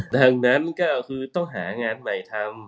ดังนั้นก็คือต้องหางานใหม่ทำ